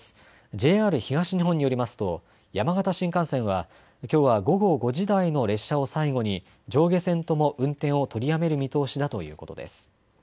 ＪＲ東日本によりますと山形新幹線はきょうは午後５時台の列車を最後に上下線とも運転を取りやめる見通しだということです。